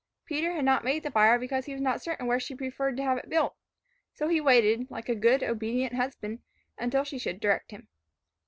Peter had not made the fire because he was not certain where she preferred to have it built; so he waited, like a good, obedient husband, until she should direct him.